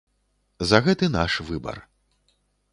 За гэты наш выбар.